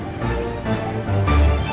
kalau mba andien itu